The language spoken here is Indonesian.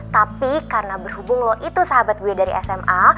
tapi karena berhubung loh itu sahabat gue dari sma